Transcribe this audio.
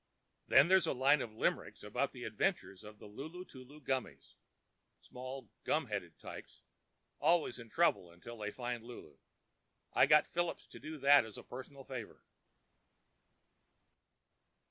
Then there's a line of limericks about the adventures of the 'Lulu Tulu Gummies'—small gum headed tykes—always in trouble until they find Lulu. I got Phillips to do that as a personal favor."